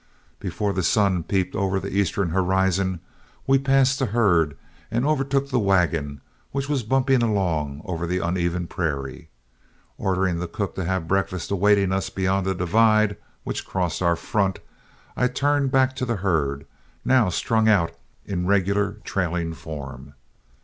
Before the sun peeped over the eastern horizon, we passed the herd and overtook the wagon, which was bumping along over the uneven prairie. Ordering the cook to have breakfast awaiting us beyond a divide which crossed our front, I turned back to the herd, now strung out in regular trailing form.